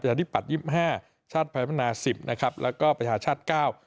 ประชาดิบัตร๒๕ชาติพัฒนา๑๐นะครับและก็ประชาชาติ๙